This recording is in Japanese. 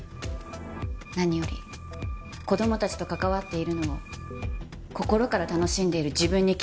何より子供たちと関わっているのを心から楽しんでいる自分に気づいたんです。